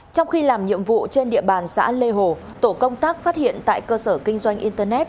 trong khi làm nhiệm vụ trên địa bàn xã lê hồ tổ công tác phát hiện tại cơ sở kinh doanh internet